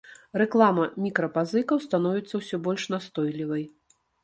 Рэклама мікрапазыкаў становіцца ўсё больш настойлівай.